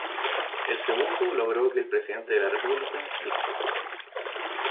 El segundo logró que el Presidente de la República, Lic.